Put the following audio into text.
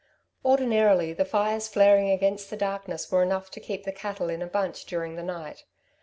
Ordinarily the fires flaring against the darkness were enough to keep the cattle in a bunch during the night.